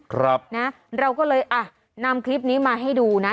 ครับนะเราก็เลยอ่ะนำคลิปนี้มาให้ดูนะ